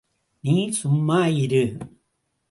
நீ சும்மா இரு.